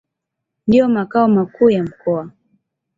Ndio makao makuu ya mkoa.